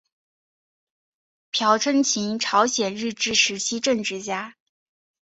朴春琴朝鲜日治时期政治家。